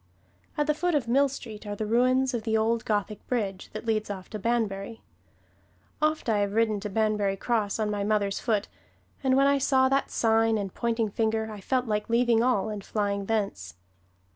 At the foot of Mill Street are the ruins of the old Gothic bridge that leads off to Banbury. Oft have I ridden to Banbury Cross on my mother's foot, and when I saw that sign and pointing finger I felt like leaving all and flying thence.